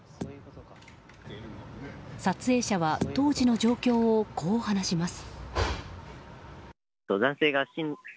撮影者は当時の状況をこう話します。